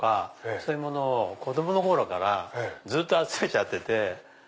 そういうものを子供の頃からずっと集めちゃってて。